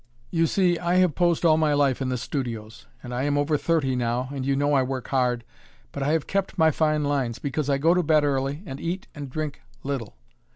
You see, I have posed all my life in the studios, and I am over thirty now, and you know I work hard, but I have kept my fine lines because I go to bed early and eat and drink little.